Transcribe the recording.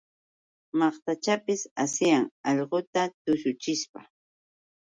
Maqtachanpis asiyan allquchan tushuchishpa.